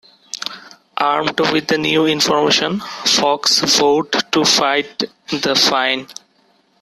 Armed with the new information, Fox vowed to fight the fine.